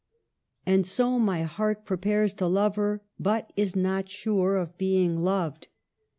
^^" And SO my heart prepares to love her, but is not sure of being loved."